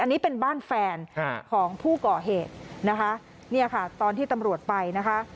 อันนี้เป็นบ้านแฟนของผู้ก่อเหตุนะคะเนี่ยค่ะตอนที่ตำรวจไปนะคะ